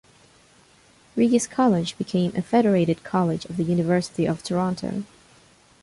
Regis College became a federated college of the University of Toronto.